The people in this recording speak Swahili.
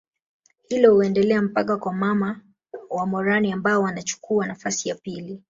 Hilo huendelea mpaka kwa mama wa morani ambao wanachukuwa nafasi ya pili